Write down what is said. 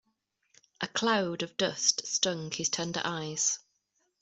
A cloud of dust stung his tender eyes.